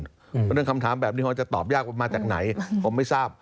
เพราะฉะนั้นคำถามแบบนี้เขาจะตอบยากว่ามาจากไหนผมไม่ทราบ